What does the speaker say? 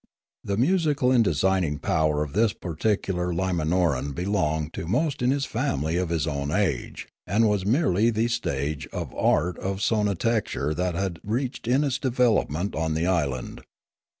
The musical and designing power of this particular Limanoran belonged to most in his family of his own age, and was merely the stage the art of sonarchitecture had reached in its development on the island.